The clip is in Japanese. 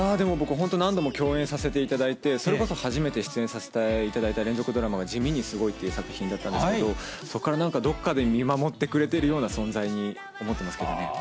本当に何度も共演させていただいて、それこそ初めて出演させていただいた連続ドラマがじみにすごいという作品だったんですけど、そこからなんかどこかで見守ってくれているような存在に思ってますけどね。